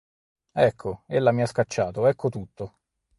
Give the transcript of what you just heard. Ecco, ella mi ha scacciato, ecco tutto.